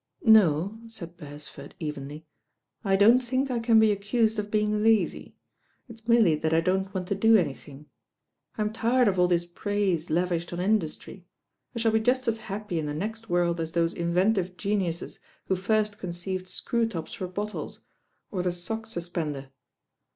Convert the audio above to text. "No," said Bcresford evenly, "I don't think I can be accused of being lazy; it's merely that I don't want to do anything. I'm tired of all this praise lavished on industry. I shall be just as happy in the next world as those inventive geniuses who first conceived screw tops for bottles, or the sock* suspender.